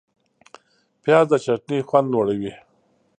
پیاز د چټني خوند لوړوي